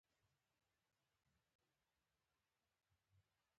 شخص نږدې شیان په واضح ډول نشي لیدلای.